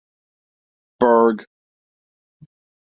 Berg.